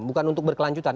bukan untuk berkelanjutan